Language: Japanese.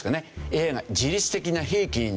ＡＩが自律的な兵器になりうる。